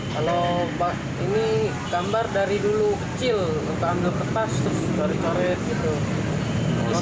kalau ini gambar dari dulu kecil ambil kertas terus cari cari gitu